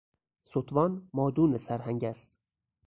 ستوان مادون سرهنگ است.